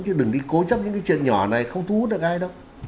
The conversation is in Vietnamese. chứ đừng đi cố chấp những cái chuyện nhỏ này không thu hút được ai đâu